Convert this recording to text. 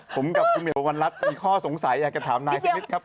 ผมกับคุณเหี่ยววันรัฐมีข้อสงสัยอยากจะถามนายสมิทครับ